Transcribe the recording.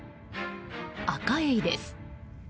アカエイです。